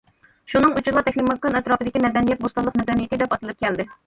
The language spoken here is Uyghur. شۇنىڭ ئۈچۈنلا تەكلىماكان ئەتراپىدىكى مەدەنىيەت بوستانلىق مەدەنىيىتى، دەپ ئاتىلىپ كەلدى.